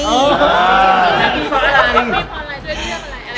เธอเก็บอะไร